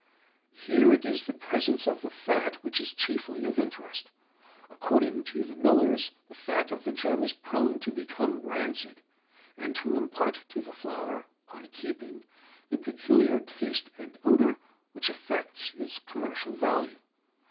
Here it is the presence of the fat which is chiefly of interest. According to the millers the fat of the germ is prone to become rancid, and to impart to the flour, on keeping, a peculiar taste and odour which affects its commercial value.